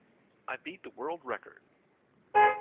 I beat the world record!